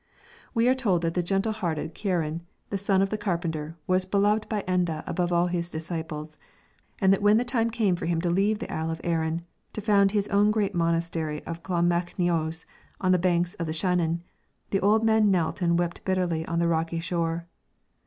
We are told that the gentle hearted Ciaran, the son of the carpenter, was beloved by Enda above all his disciples, and that when the time came for him to leave the Isle of Aran to found his own great monastery of Clonmacnoise on the banks of the Shannon, the old man knelt and wept bitterly on the rocky shore.